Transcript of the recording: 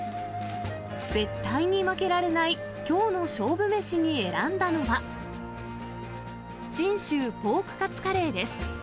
絶対に負けられないきょうの勝負メシに選んだのは、信州ポーク勝カレーです。